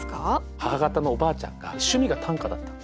母方のおばあちゃんが趣味が短歌だったんですよ。